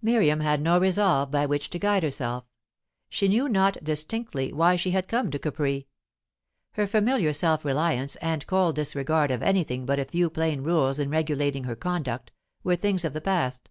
Miriam had no resolve by which to guide herself. She knew not distinctly why she had come to Capri. Her familiar self reliance and cold disregard of anything but a few plain rules in regulating her conduct, were things of the past.